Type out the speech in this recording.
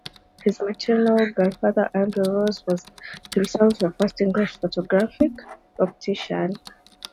His maternal grandfather, Andrew Ross, was himself the first English photographic optician.